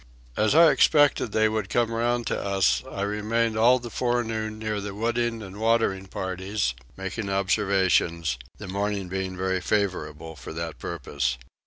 As I expected they would come round to us I remained all the forenoon near the wooding and watering parties, making observations, the morning being very favourable for that purpose.